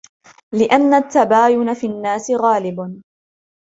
لِأَنَّ التَّبَايُنَ فِي النَّاسِ غَالِبٌ